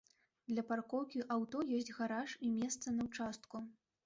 Для паркоўкі аўто ёсць гараж і месца на ўчастку.